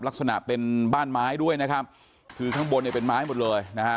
ลักษณะเป็นบ้านไม้ด้วยนะครับคือข้างบนเนี่ยเป็นไม้หมดเลยนะฮะ